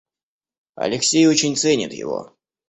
Алексей очень ценит его.